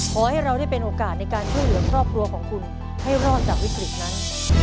ขอให้เราได้เป็นโอกาสในการช่วยเหลือครอบครัวของคุณให้รอดจากวิกฤตนั้น